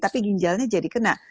tapi ginjalnya jadi kena